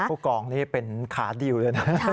ผู้กองนี่เป็นขาดิวเลยนะ